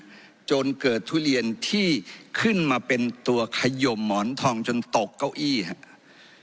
จนเกิดทุเรียนที่ขึ้นมาเป็นตัวขยมหมอนทองจนตกเก้าอี้ครับ